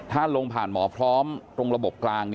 ถ้าลงผ่านหมอพร้อมตรงระบบกลาง